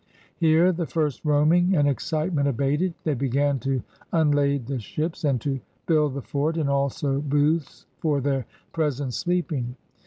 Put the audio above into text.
Here, the first roaming and ex citement abated, they began to unlade the ships, and to build the fort and also booths for their present sleeping.